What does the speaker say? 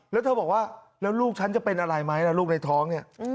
แล้วเธอบอกว่าแล้วลูกฉันจะเป็นอะไรไหมล่ะลูกในท้องเนี่ย